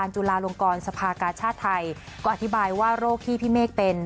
จุฬาลงกรสภากาชาติไทยก็อธิบายว่าโรคที่พี่เมฆเป็น